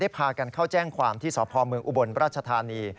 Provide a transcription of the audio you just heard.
พากันเข้าแจ้งความที่สพเมืองอุบลราชธานี